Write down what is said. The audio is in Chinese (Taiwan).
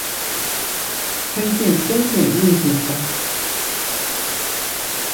推薦甄選入學招生